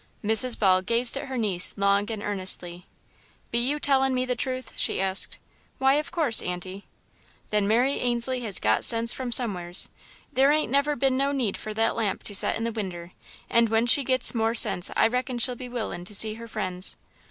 Mrs. Ball gazed at her niece long and earnestly. "Be you tellin' me the truth?" she asked. "Why, of course, Aunty." "Then Mary Ainslie has got sense from somewheres. There ain't never been no need for that lamp to set in the winder; and when she gets more sense, I reckon she'll be willin' to see her friends."